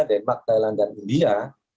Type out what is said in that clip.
denmark thailand dan india